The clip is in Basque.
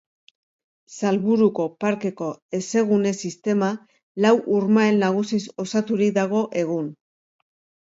Salburuko parkeko hezegune-sistema lau urmael nagusiz osaturik dago egun.